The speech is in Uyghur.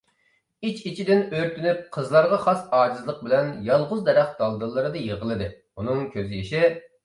ئىچ-ئىچىدىن ئۆرتىنىپ قىزلارغا خاس ئاجىزلىق بىلەن يالغۇز دەرەخ دالدىلىرىدا يىغلىدى. ئۇنىڭ كۆز يېشى،